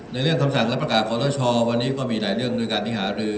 เรื่องคำสั่งและประกาศขอทชอวันนี้ก็มีหลายเรื่องด้วยการที่หารือ